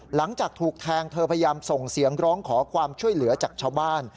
หลังจากถูกแทงเธอพยายามส่งเสียงร้องขอความช่วยเหลือจากชาวบ้าน